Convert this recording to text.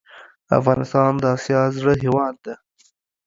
افغانستان د اسیا زړه هیواد ده